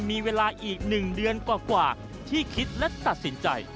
มีเวลาอีก๑เดือนกว่าที่คิดและตัดสินใจ